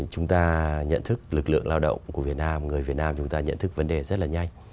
chúng ta nhận thức lực lượng lao động của việt nam người việt nam chúng ta nhận thức vấn đề rất là nhanh